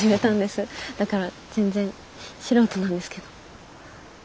だから全然素人なんですけど。